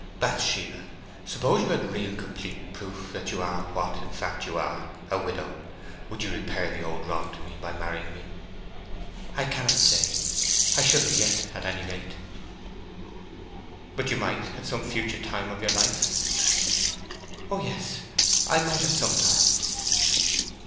Bathsheba, suppose you had real complete proof that you are what, in fact, you are—a widow—would you repair the old wrong to me by marrying me?" "I cannot say. I shouldn't yet, at any rate." "But you might at some future time of your life?" "Oh yes, I might at some time."